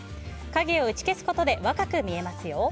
影を打ち消すことで若く見えますよ。